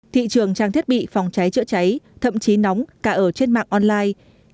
thị trường trang thiết bị phòng cháy chữa cháy thậm chí nóng cả ở trên mạng online